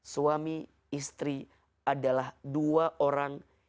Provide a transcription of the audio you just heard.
suami istri adalah dua orang